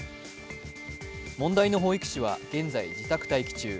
問題の保育士は現在、自宅待機中。